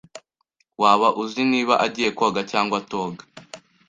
Waba uzi niba agiye koga cyangwa atoga?